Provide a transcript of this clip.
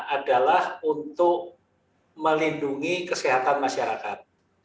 adalah untuk melindungi kesehatan masyarakat